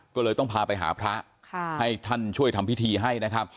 ก็เลยต้องพาไปหาพระให้ท่านช่วยทำพิธีให้นะครับ